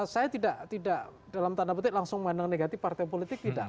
saya tidak dalam tanda petik langsung memandang negatif partai politik tidak